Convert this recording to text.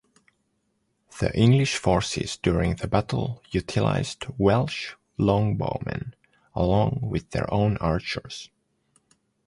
The English forces during the battle utilised Welsh longbowmen, along with their own archers.